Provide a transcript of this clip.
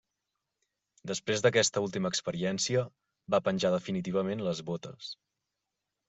Després d'aquesta última experiència, va penjar definitivament les botes.